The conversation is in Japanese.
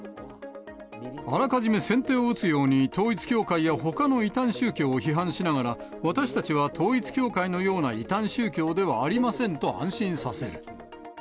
あらかじめ先手を打つように統一教会やほかの異端宗教を批判しながら、私たちは統一教会のような異端宗教ではありませんと安心させる。